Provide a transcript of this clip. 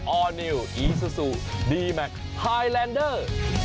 อร์นิวอีซูซูดีแมคไฮแลนเดอร์